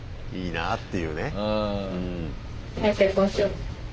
いいなっていうね。